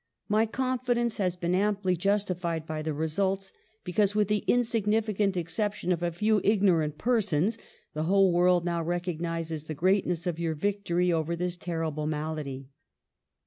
My confi dence has been amply justified by the results, because, with the insignificant exception of a few ignorant persons, the whole world now rec ognises the greatness of your victory over this terrible malady.